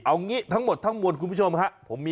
เอางี้ทั้งหมดทั้งมวลคุณผู้ชมฮะ